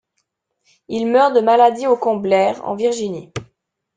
Il meurt de maladie au camp Blair, en Virginie.